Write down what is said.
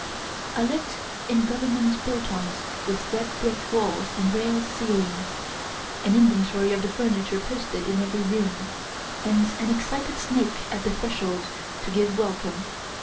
I lived in Govem itient built ones with red brick walls and rail ceilings, an inventory of the furniture posted in every room, and an excited snake at the threshold to give welcome.